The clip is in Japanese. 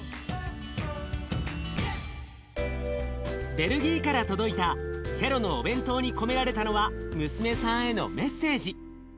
ベルギーから届いたチェロのお弁当に込められたのは娘さんへのメッセージ。